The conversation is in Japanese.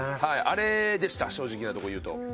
あれでした正直なとこ言うと。